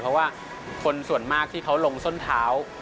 เพราะว่าคนส่วนมากที่เขาลงส้นเท้า